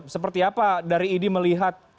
seperti apa dari idi melihat